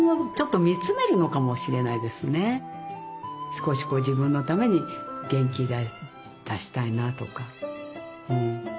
少しこう自分のために元気出したいなとか。